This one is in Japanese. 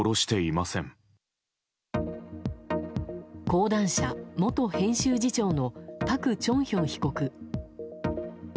講談社元編集次長のパク・チョンヒョン被告。